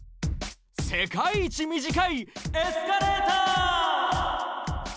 世界一短いエスカレーター！